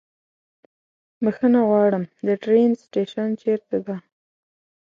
بښنه غواړم، د ټرين سټيشن چيرته ده؟